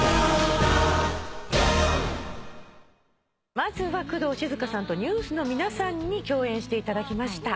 まずは工藤静香さんとＮＥＷＳの皆さんに共演していただきました。